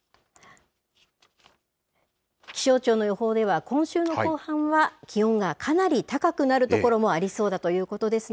気象庁の予報では、今週の後半は気温がかなり高くなる所もありそうだということです